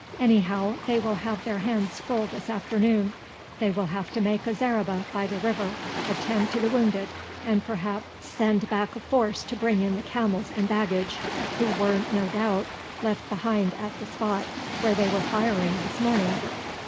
Anyhow, they will have their hands full this afternoon. They will have to make a zareba by the river, attend to the wounded, and perhaps send back a force to bring in the camels and baggage, who were no doubt left behind at the spot where they were firing this morning.